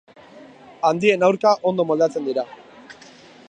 Handien aurka ondo moldatzen dira.